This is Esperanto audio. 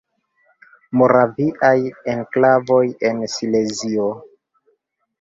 Moraviaj enklavoj en Silezio.